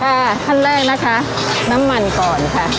ขั้นแรกนะคะน้ำมันก่อนค่ะ